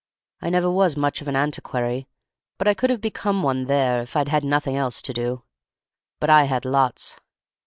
I never was much of an antiquary, but I could have become one there if I'd had nothing else to do; but I had lots.